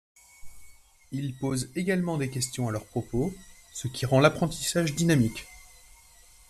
Il pose également des questions à leur propos, ce qui rend l'apprentissage dynamique.